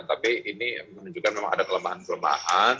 tapi ini menunjukkan memang ada kelemahan kelemahan